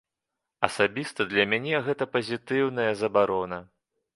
Асабіста для мяне гэта пазітыўная забарона.